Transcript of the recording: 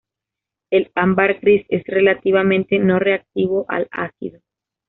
El ámbar gris es relativamente no reactivo al ácido.